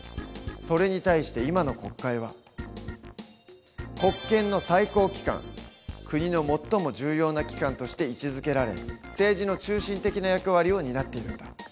それに対して今の国会は国の最も重要な機関として位置づけられ政治の中心的な役割を担っているんだ。